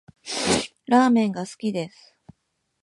ラーメンが好きです